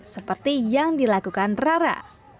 seperti yang dilakukan rara